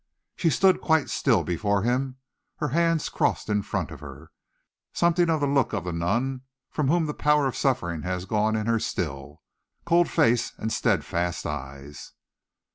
She stood quite still before him, her hands crossed in front of her, something of the look of the nun from whom the power of suffering has gone in her still, cold face and steadfast eyes.